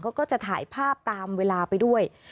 เขาก็จะถ่ายภาพตามเวลาไปด้วย